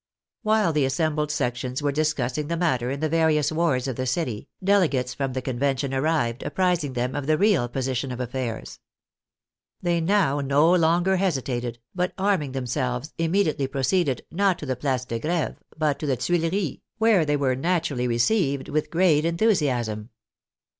While the assembled sections were discussing the mat ter in the various wards of the city, delegates from the Convention arrived apprising them of the real position of affairs. They now no longer hesitated, but arming them selves, immediately proceeded, not to the Place de Greve, but to the Tuileries, where they were naturally received with great enthusiasm.